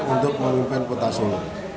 untuk memimpin kota solo